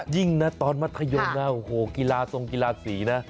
ยิ่งนะตอนมัธยมนะโอ้โหกีฬาทรงกีฬาสีนะ